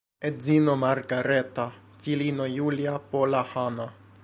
Edzino Margareta, filinoj Julia, Pola, Hanna.